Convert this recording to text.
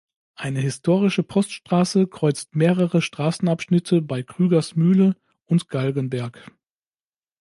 Eine historische Poststraße kreuzt mehrere Straßenabschnitte bei Krügers Mühle und Galgenberg.